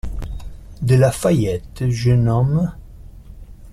De La Fayette, jeune homme?